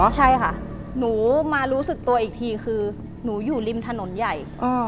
ใช่ค่ะหนูมารู้สึกตัวอีกทีคือหนูอยู่ริมถนนใหญ่